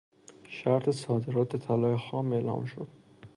شرط صادرات طلای خام اعلام شد.